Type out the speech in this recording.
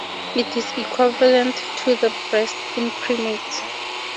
It is equivalent to the breast in primates.